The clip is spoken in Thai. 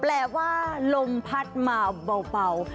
แปลว่าลมพัดมาเบา